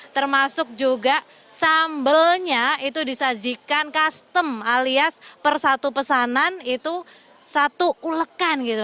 termasuk juga sambelnya itu disajikan custom alias per satu pesanan itu satu ulekan gitu